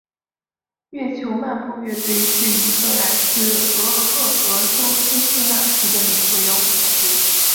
月球漫步乐团是一个来自俄亥俄州辛辛那提的美国摇滚乐队。